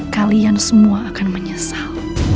kalian semua akan menyesal